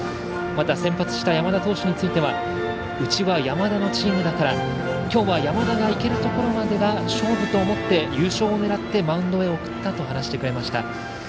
また先発した山田投手についてはうちは山田のチームだからきょうは山田がいけるところまでが勝負と思って優勝を狙ってマウンドへ送ったと話してくれました。